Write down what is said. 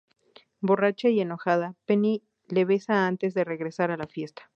Borracha y enojada, Penny le besa antes de regresar a la fiesta.